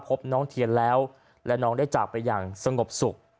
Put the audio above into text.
พบน้องเทียนแล้วและน้องได้จากไปอย่างสงบสุข